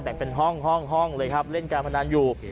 เป็นห้องห้องเลยครับเล่นการพนันอยู่